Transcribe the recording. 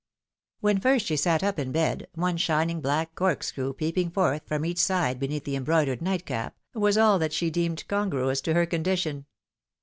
When first she sat up in bed, one shining black corkscrew, peeping forth from each side beneath the embroidered nightcap, was aU that she deemed congruous to her condition.